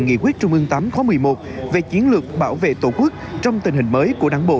nghị quyết trung ương viii khóa một mươi một về chiến lược bảo vệ tổ quốc trong tình hình mới của đảng bộ